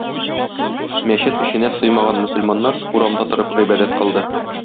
Мәчет эченә сыймаган мөселманнар урамда торып гыйбадәт кылды.